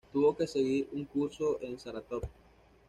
Tuvo que seguir un curso en Saratov.